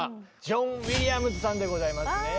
ジョン・ウィリアムズさんでございますね。